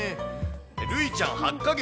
るいちゃん８か月。